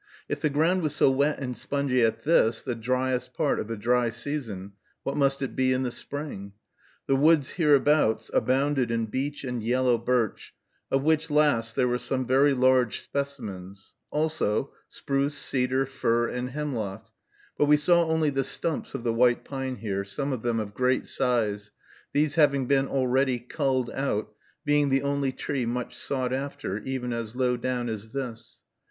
If the ground was so wet and spongy at this, the dryest part of a dry season, what must it be in the spring? The woods hereabouts abounded in beech and yellow birch, of which last there were some very large specimens; also spruce, cedar, fir, and hemlock; but we saw only the stumps of the white pine here, some of them of great size, these having been already culled out, being the only tree much sought after, even as low down as this.